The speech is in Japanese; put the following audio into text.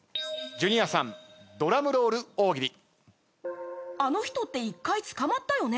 ジュニアさんドラムロール大喜利。